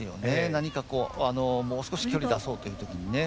何かこう、もう少し距離、出そうという時にね。